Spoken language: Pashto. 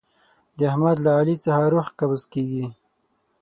د احمد له علي څخه روح قبض کېږي.